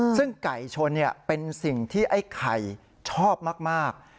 ซึ่งไก่ชนเป็นสิ่งที่ไอ้ไข่ชอบมาก